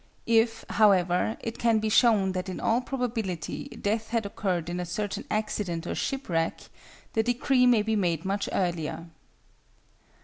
If, however, it can be shown that in all probability death had occurred in a certain accident or shipwreck, the decree may be made much earlier.